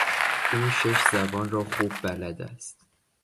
او شش زبان را خوب بلد است.